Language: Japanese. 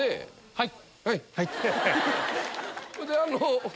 はい。